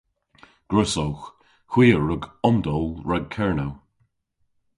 Gwrussowgh. Hwi a wrug omdowl rag Kernow.